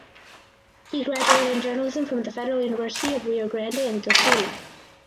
He graduated in Journalism from the Federal University of Rio Grande do Sul.